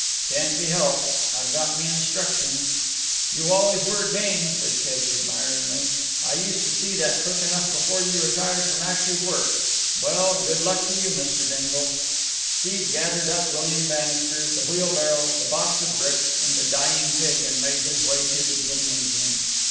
"Can't be helped. I've got me instructions." "You always were game," said Keggs admiringly. "I used to see that quick enough before you retired from active work. Well, good luck to you, Mr. Dingle." Steve gathered up William Bannister, the wheelbarrow, the box of bricks, and the dying pig and made his way to the gymnasium.